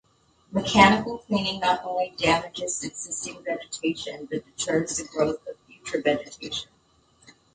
Mechanical cleaning not only damages existing vegetation but deters the growth of future vegetation.